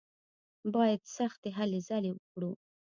بايد سختې هلې ځلې وکړو.